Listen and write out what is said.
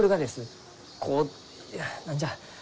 こう何じゃ？